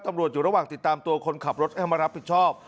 ตำรวจอยู่ระหว่างติดตามตัวคนขับรถให้มารับผิดชอบ